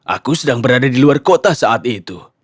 aku sedang berada di luar kota saat itu